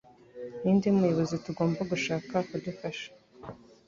Ninde Muyobozi tugomba gushaka akadufasha